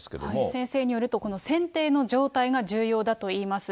先生によると、この船底の状態が重要だといいます。